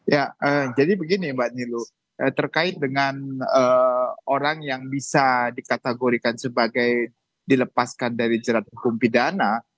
ya jadi begini mbak nilu terkait dengan orang yang bisa dikategorikan sebagai dilepaskan dari jerat hukum pidana